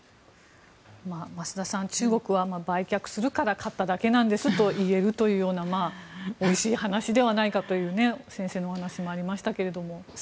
増田さん中国は売却するから買っただけなんですと言えるというようなおいしい話ではないかという先生のお話もありましたけれども。